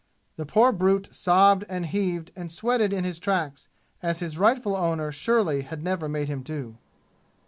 The poor brute sobbed and heaved and sweated in his tracks as his rightful owner surely had never made him do.